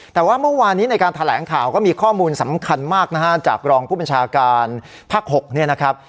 แต่ว่าเมื่อวานนี้ในการแถลงข่าวก็มีข้อมูลสำคัญมากนะฮะจากรองผู้บัญชาการภาค๖เนี่ยนะครับ